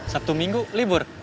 sabtu minggu libur